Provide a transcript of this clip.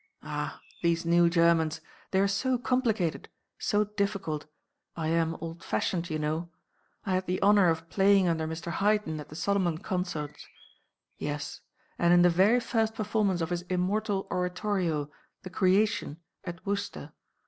—Ah! These new Germans! They are so complicated; so difficult. I am old fashioned, you know. I had the honour of playing under Mr. Haydn at the Salomon concerts. Yes! and in the very first performance of his immortal Oratorio, 'The Creation,' at Worcester.